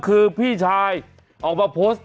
วันนี้จะเป็นวันนี้